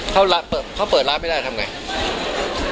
เขาล่ะเขาเปิดร้านไม่ได้ทำไงและเออ